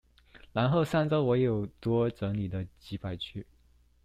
然後上週我有多整理了幾百句